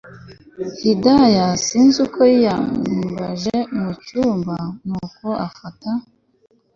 Hidaya sinzi uko yinyabije mucyumba nuko afata